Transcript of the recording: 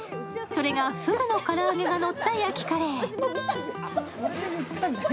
それが、ふぐの唐揚げがのった焼きカレー。